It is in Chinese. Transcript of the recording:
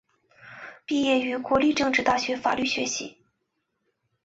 毕业于国立政治大学法律学系。